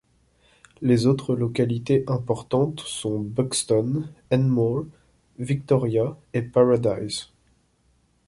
Les autres localités importantes sont Buxton, Enmore, Victoria et Paradise.